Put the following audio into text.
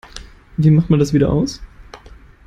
Wie macht man das wieder aus?